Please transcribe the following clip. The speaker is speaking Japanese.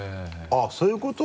あっそういうこと？